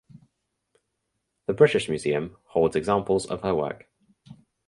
The British Museum holds examples of her work.